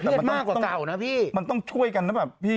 แต่มันมากกว่าเก่านะพี่มันต้องช่วยกันนะแบบพี่